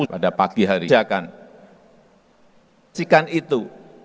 pada pagi hari kita akan menghasilkan itu